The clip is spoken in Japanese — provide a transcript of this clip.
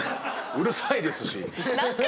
うるさいですし。